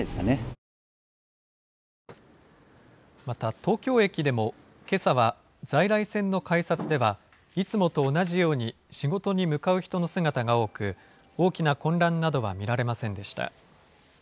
また東京駅でも、けさは在来線の改札では、いつもと同じように仕事に向かう人の姿が多く、大きな混乱などは見られませんでした。